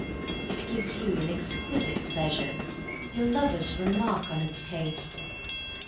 It gives you an exquisite pleasure, Your lovers remark on its taste.